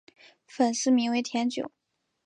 粉丝名为甜酒。